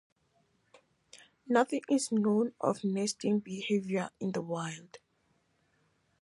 Nothing is known of nesting behaviour in the wild.